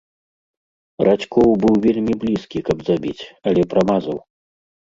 Радзькоў быў вельмі блізкі, каб забіць, але прамазаў.